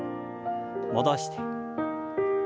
戻して。